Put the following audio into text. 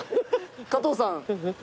加藤さん